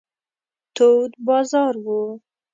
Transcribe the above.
تود بازار و.